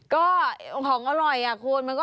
ก็ของอร่อยคุณ